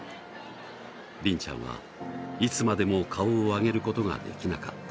りんちゃんは、いつまでも顔を上げることができなかった。